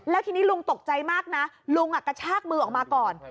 แล้วทีนี้ลุงตกใจมากนะลุงกระชากมือออกมาก่อน